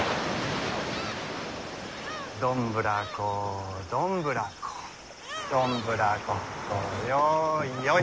どんぶらこどんぶらこどんぶらこっこよいよい。